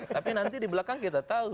tapi nanti di belakang kita tahu